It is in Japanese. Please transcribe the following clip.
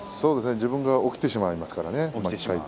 自分が起きてしまいますからね。